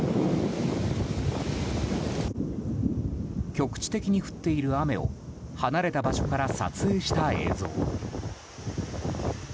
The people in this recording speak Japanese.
局地的に降っている雨を離れた場所から撮影した映像。